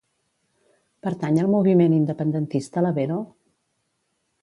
Pertany al moviment independentista la Vero?